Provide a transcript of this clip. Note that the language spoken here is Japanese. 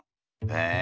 え！